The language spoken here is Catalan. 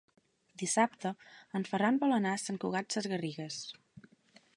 Dissabte en Ferran vol anar a Sant Cugat Sesgarrigues.